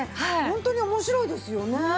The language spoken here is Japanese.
本当に面白いですよね。